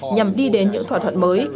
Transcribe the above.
nhằm đi đến những thỏa thuận mới